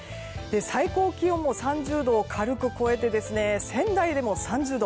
最高気温も３０度を軽く超えて仙台でも３０度。